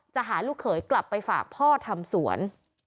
หาลูกเขยกลับไปฝากพ่อทำสวน